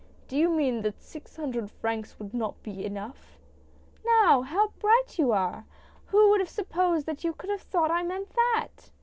" Do you mean that six hundred francs would not be enough ?"" Now, how bright you are ! Who would have sup posed that you could have thought I meant that?"